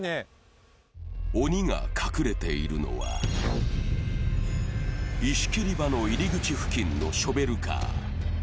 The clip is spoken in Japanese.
鬼が隠れているのは、石切場の入り口付近のショベルカー。